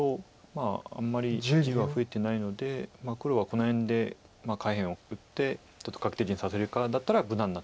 まああんまり地は増えてないので黒はこの辺で下辺を打ってちょっと確定地にさせるかだったら無難な打ち方です。